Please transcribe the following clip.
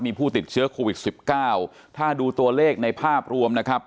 มีผู้ติดเชื้อโควิดสิบเก้าถ้าดูตัวเลขในภาพรวมนะครับ